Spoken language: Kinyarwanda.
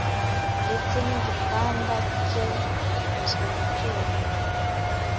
ndetse n’igitanda cye gikozwe mu cyuma